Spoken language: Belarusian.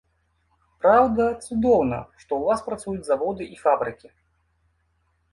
Праўда, цудоўна, што ў вас працуюць заводы і фабрыкі.